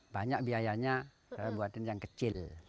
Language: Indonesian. banyak biayanya buatin yang kecil